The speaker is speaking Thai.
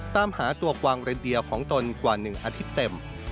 ตามหาตัวกวางเรนเดียของตนกว่า๑อาทิตย์เต็ม